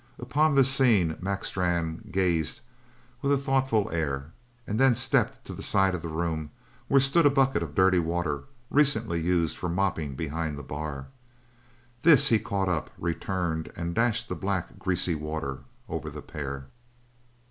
Upon this scene Mac Strann gazed with a thoughtful air and then stepped to the side of the room where stood a bucket of dirty water, recently used for mopping behind the bar. This he caught up, returned, and dashed the black, greasy water over the pair.